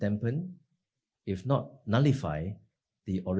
kekuatan inflasi yang lebih besar